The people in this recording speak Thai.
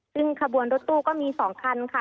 ซึ่งขบวนรถตู้ก็มี๒คันค่ะ